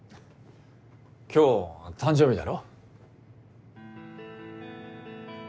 今日誕生日だろ？